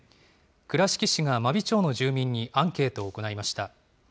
倉敷市が真備町の住民にアンケートを行いました。